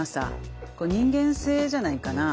これ人間性じゃないかな？